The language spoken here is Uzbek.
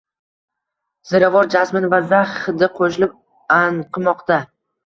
Ziravor, jasmin va zax hidi qo‘shilib anqimoqda.